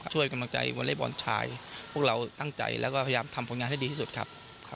ช่วยกำลังใจวอเล็กบอลชายพวกเราตั้งใจแล้วก็พยายามทำผลงานให้ดีที่สุดครับ